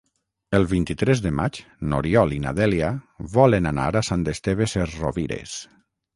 El vint-i-tres de maig n'Oriol i na Dèlia volen anar a Sant Esteve Sesrovires.